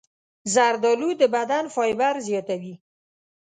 زردالو د بدن فایبر زیاتوي.